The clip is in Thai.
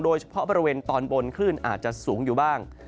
โดยเฉพาะบริเวณตอนบนคลื่นอาจจะสูงอยู่บ้าง